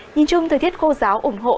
nhìn chung thời tiết khô giáo ủng hộ